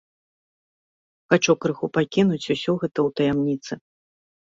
Хачу крыху пакінуць усё гэта ў таямніцы.